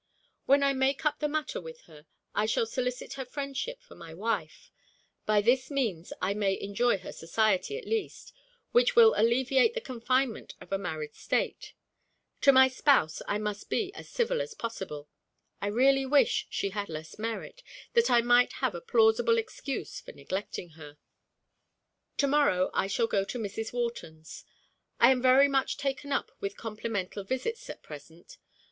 When I make up the matter with her, I shall solicit her friendship for my wife. By this means I may enjoy her society, at least, which will alleviate the confinement of a married state. To my spouse I must be as civil as possible. I really wish she had less merit, that I might have a plausible excuse for neglecting her. To morrow I shall go to Mrs. Wharton's. I am very much taken up with complimental visits at present.